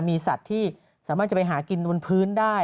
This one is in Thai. มีสัตว์ที่สามารถจะไปหากินบนพื้นได้